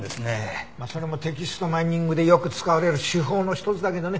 それもテキストマイニングでよく使われる手法の一つだけどね。